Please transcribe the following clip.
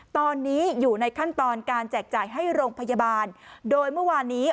ตอนนี้อยู่ในขั้นตอนการแจกจ่ายให้โรงพยาบาลโดยเมื่อวานนี้